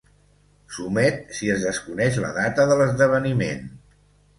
S'omet si es desconeix la data de l'esdeveniment.